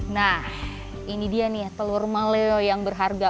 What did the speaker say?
nah ini dia nih telur maleo yang berharga